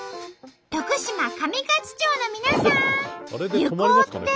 徳島上勝町の皆さん！